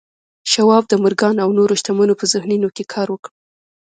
شواب د مورګان او نورو شتمنو په ذهنونو کې کار وکړ